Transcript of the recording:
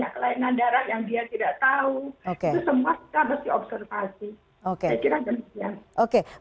saya kira demikian